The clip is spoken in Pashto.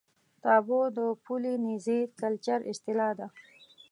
تابو د پولي نیزي کلچر اصطلاح ده.